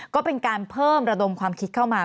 ก็เป็นการเพิ่มระดมความคิดเข้ามา